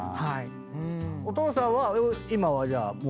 お父さんは今はじゃあもう。